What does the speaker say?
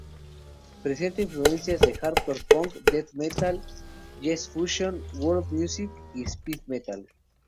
Presenta influencias de hardcore punk, "death metal", jazz fusión, world music y "speed metal".